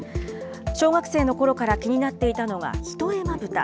小学生のころから気になっていたのは一重まぶた。